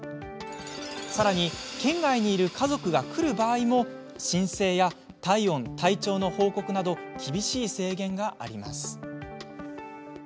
さらに県外にいる家族が来る場合も申請や体温、体調の報告など厳しい制限があります。